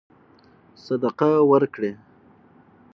صدقه ورکړي.